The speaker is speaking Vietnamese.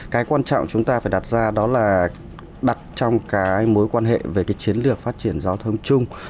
cái quan trọng chúng ta phải đặt ra đó là đặt trong cái mối quan hệ về cái chiến lược phát triển giao thông chung